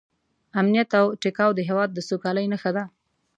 امنیت او ټیکاو د هېواد د سوکالۍ نښه ده.